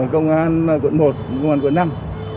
công an quận một công an quận năm